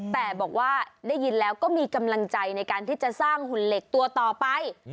แต่บอกว่าได้ยินแล้วก็มีกำลังใจในการที่จะสร้างหุ่นเหล็กตัวต่อไป